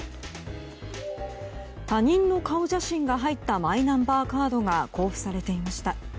他人の顔写真が入ったマイナンバーカードが交付されていました。